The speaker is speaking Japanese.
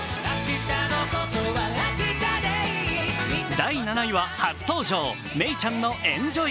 第７位は発登場、めいちゃんの「エンジョイ」。